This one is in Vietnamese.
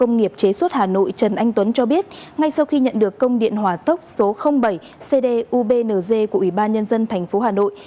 công nghiệp chế xuất hà nội trần anh tuấn cho biết ngay sau khi nhận được công điện hỏa tốc số bảy cdubngz của ủy ban nhân dân tp hà nội